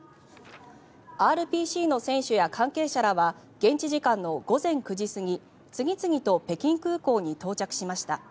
ＲＰＣの選手や関係者らは現地時間の午前９時過ぎ次々と北京空港に到着しました。